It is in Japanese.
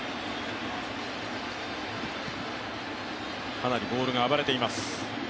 かなりボールが暴れています。